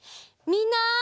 みんな！